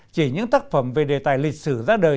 chỉ những tác phẩm về đề tài lịch sử ra đời